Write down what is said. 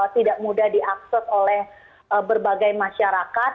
tidak mudah diakses oleh berbagai masyarakat